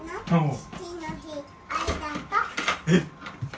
えっ？